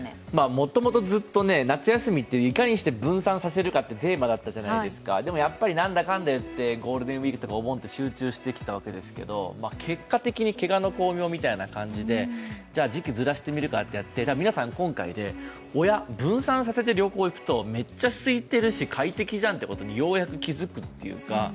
もともとずっと夏休みっていかにして分散させるかってテーマだったじゃないですかでも、何だかんだいってゴーデンウィークとかお盆に集中してきたわけですけど、結果的にけがの功名みたいな感じで時期ずらしてみるかとなって皆さん今回でおや、分散させて旅行行くとめっちゃすいてるし快適じゃんということにようやく気づくというか。